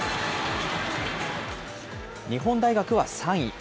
日本大学は３位。